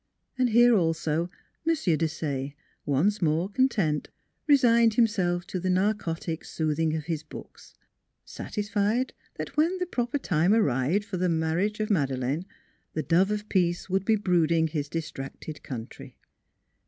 And here also, M. Desaye, once more content, resigned himself to the narcotic soothing of his books, satisfied that when the proper time arrived for the marriage of Madeleine the dove of peace would be brooding his distracted country.